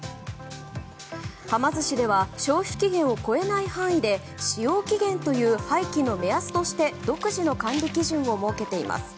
はま寿司では消費期限を超えない範囲で使用期限という廃棄の目安として独自の管理基準を設けています。